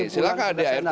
silahkan ke adart